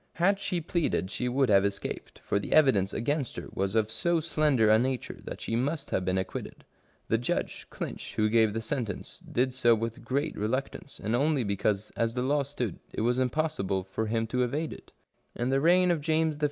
Had she pleaded she would have escaped, for the evidence against her was of so slender a nature that she must have been acquitted. The judge. Clinch, who gave the sentence, did so with great reluctance, and only because, as the law stood, it was impossible for him to evade it In the reign of James I.